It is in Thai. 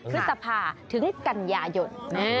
คือจะพาถึงกัญญาหย่น